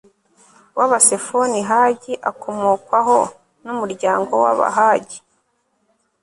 w abasefoni hagi akomokwaho n umuryango w abahagi